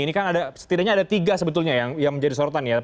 ini kan ada setidaknya ada tiga sebetulnya yang menjadi sorotan ya